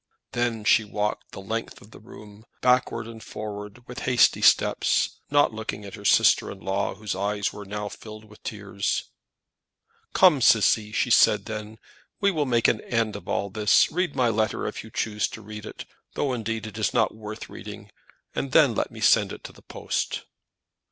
Then she walked the length of the room, backwards and forwards, with hasty steps, not looking at her sister in law, whose eyes were now filled with tears. "Come, Cissy," she then said, "we will make an end of this. Read my letter if you choose to read it, though indeed it is not worth the reading, and then let me send it to the post."